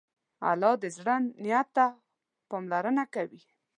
الله د زړه نیت ته پاملرنه کوي.